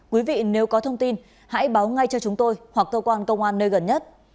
quý vị nếu có thông tin hãy báo ngay cho chúng tôi hoặc cơ quan công an nơi gần nhất